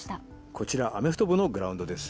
こちらアメフト部のグラウンドです。